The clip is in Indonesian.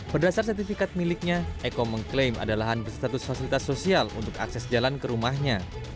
berdasar sertifikat miliknya eko mengklaim ada lahan berstatus fasilitas sosial untuk akses jalan ke rumahnya